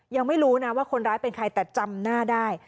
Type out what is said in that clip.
ยังไม่รู้นะว่าคนร้ายเป็นใครแต่จำหน้าได้